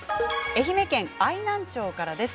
愛媛県愛南町からです。